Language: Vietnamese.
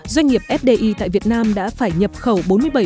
doanh nghiệp fdi tại việt nam đã phải nhập khẩu